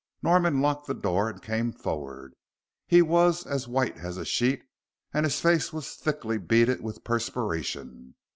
Norman locked the door and came forward. He was as white as a sheet, and his face was thickly beaded with perspiration.